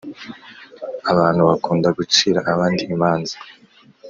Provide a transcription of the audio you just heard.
abantu bakunda gucira abandi imanza.